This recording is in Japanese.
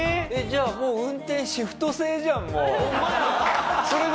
じゃあ運転シフト制じゃんもう。